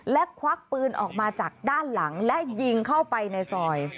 และควักปืนออกมาจากด้านหลังและยิงเข้าไปในซอย